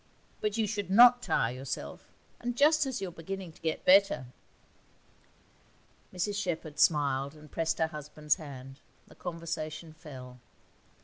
But you should not tire yourself and just as you are beginning to get better.' Mrs Shepherd smiled and pressed her husband's hand. The conversation fell.